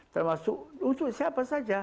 termasuk untuk siapa saja